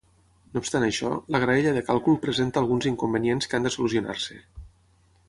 No obstant això, la graella de càlcul presenta alguns inconvenients que han de solucionar-se.